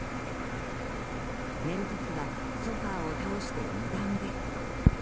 寝る時はソファを倒して２段ベッド。